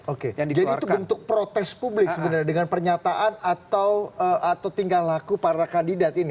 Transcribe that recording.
oke jadi itu bentuk protes publik sebenarnya dengan pernyataan atau tingkah laku para kandidat ini